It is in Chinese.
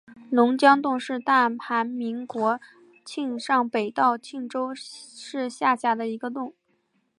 龙江洞是大韩民国庆尚北道庆州市下辖的一个洞。